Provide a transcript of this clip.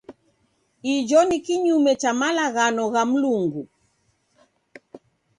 Ijo ni kinyume cha malaghano gha Mlungu.